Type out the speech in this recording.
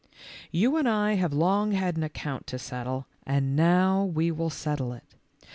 " You and I have long had an account to settle, and now we will settle it.